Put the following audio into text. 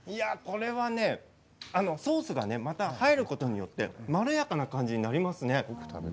ソースがね入ることによってまろやかな感じになりますね。